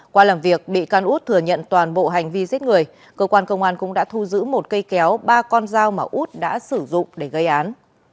qua làm việc bị can út thừa nhận toàn bộ hành vi giết người cơ quan công an cũng đã thu giữ một cây kéo ba con dao mà út đã sử dụng để gây án